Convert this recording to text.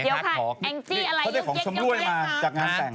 เดี๋ยวค่ะแองจี้อะไรยุ่งเย็นค่ะเขาได้ของชมรวยมาจากงานแต่ง